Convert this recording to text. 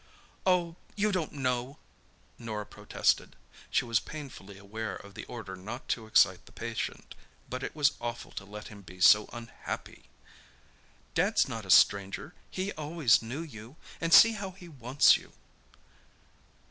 "Oh, you don't know," Norah protested. She was painfully aware of the order not to excite the patient, but it was awful to let him be so unhappy! "Dad's not a stranger—he always knew you. And see how he wants you!"